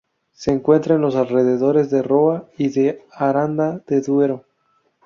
Se encuentra en los alrededores de Roa y de Aranda de Duero.